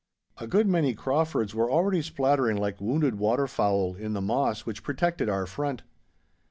A good many Craufords were already splattering like wounded waterfowl in the moss which protected our front.